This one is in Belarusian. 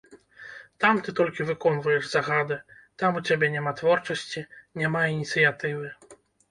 Там ты толькі выконваеш загады, там у цябе няма творчасці, няма ініцыятывы.